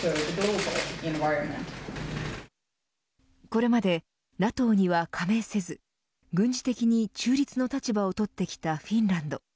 これまでＮＡＴＯには加盟せず軍事的に中立の立場をとってきたフィンランド。